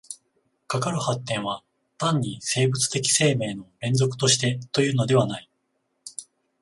かかる発展は単に生物的生命の連続としてというのではない。